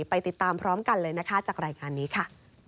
ไปติดตามพร้อมกันเลยนะคะจากรายงานนี้ค่ะ